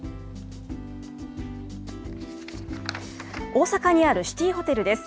大阪にあるシティホテルです。